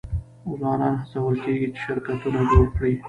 ځوانان هڅول کیږي چې شرکتونه جوړ کړي.